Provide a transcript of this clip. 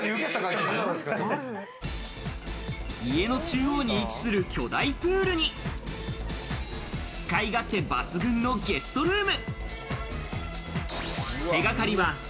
家の中央に位置する巨大プールに、使い勝手抜群のゲストルーム。